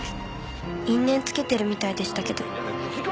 因縁つけてるみたいでしたけど。